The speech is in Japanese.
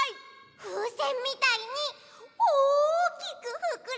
ふうせんみたいにおおきくふくらむのかなあ？